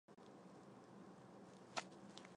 但其缺点是需要使用更长的站台。